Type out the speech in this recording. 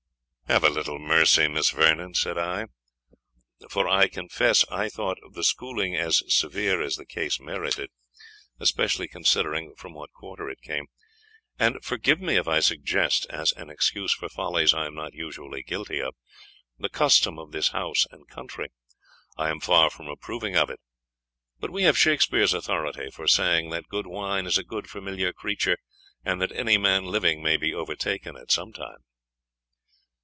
"Have a little mercy, Miss Vernon," said I; for I confess I thought the schooling as severe as the case merited, especially considering from what quarter it came, "and forgive me if I suggest, as an excuse for follies I am not usually guilty of, the custom of this house and country. I am far from approving of it; but we have Shakspeare's authority for saying, that good wine is a good familiar creature, and that any man living may be overtaken at some time."